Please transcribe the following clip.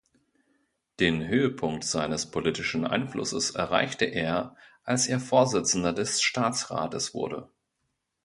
Den Höhepunkt seines politischen Einflusses erreichte er, als er Vorsitzender des Staatsrates wurde.